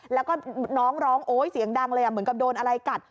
แล้วก็น้องร้องโอ๊ยเสียงดังเลยเหมือนกับโดนอะไรกัด